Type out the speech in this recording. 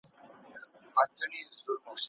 په دې بهیر کې د بسپنه ورکوونکې مرسته کارول کېږي.